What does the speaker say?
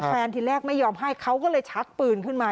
ทีแรกไม่ยอมให้เขาก็เลยชักปืนขึ้นมา